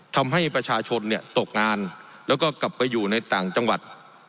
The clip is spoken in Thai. ทำให้ประชาชนเนี่ยตกงานแล้วก็กลับไปอยู่ในต่างจังหวัด